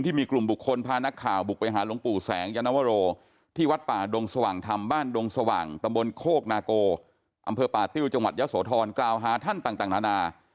มีกลุ่มบุคคลพานักข่าวบุกไปหาหลวงปู่แสงยานวโรที่วัดป่าดงสว่างธรรมบ้านดงสว่างตำบลโคกนาโกอำเภอป่าติ้วจังหวัดยะโสธรกล่าวหาท่านต่างนานา